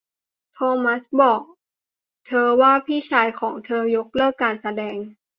โทมัสบอกเธอว่าพี่ชายของเธอยกเลิกการแสดง